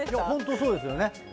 本当そうですね。